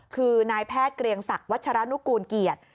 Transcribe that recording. คือนายแพทย์เกรียงศักดิ์วัชรนุกูลเกียรติ